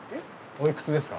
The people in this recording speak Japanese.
おいくつですか？